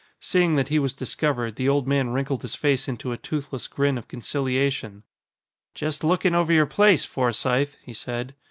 Seeing that he was discovered, the old man wrinkled his face into a toothless grin of conciliation. "Just looking over your place, Forsythe," he said.